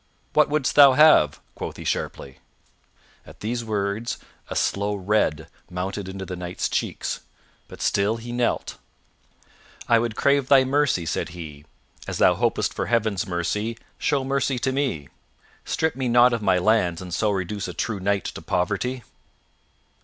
"What wouldst thou have?" quoth he sharply. At these words, a slow red mounted into the Knight's cheeks; but still he knelt. "I would crave thy mercy," said he. "As thou hopest for Heaven's mercy, show mercy to me. Strip me not of my lands and so reduce a true knight to poverty."